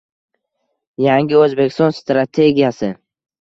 Yangi O‘zbekiston strategiyasi